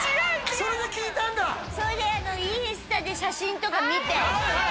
それでインスタで写真とか見てはい